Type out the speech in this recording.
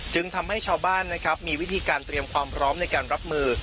จึงทำให้ชาวบ้านนะครับมีวิธีการเตรียมความพร้อมในการรับมือ